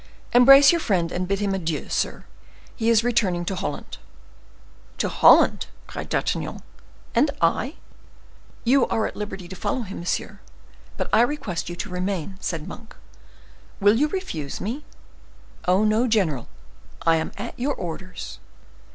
"Embrace your friend and bid him adieu, sir; he is returning to Holland." "To Holland!" cried D'Artagnan; "and I?" "You are at liberty to follow him, monsieur; but I request you to remain," said Monk. "Will you refuse me?" "Oh, no, general; I am at your orders."